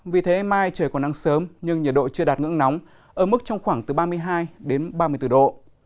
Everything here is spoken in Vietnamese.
vì thế mai trời còn nắng sớm nhưng nhiệt độ chưa đạt ngưỡng nóng ở mức trong khoảng từ ba mươi hai đến ba mươi bốn độ